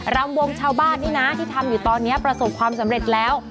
รำวงชาวบ้านนี่นะที่ทำอยู่ตอนนี้ประสบความสำเร็จแล้ว